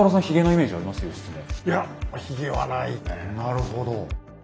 なるほど。